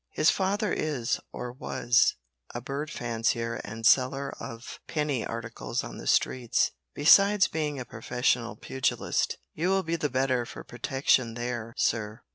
His father is, or was, a bird fancier and seller of penny articles on the streets, besides being a professional pugilist. You will be the better for protection there, sir.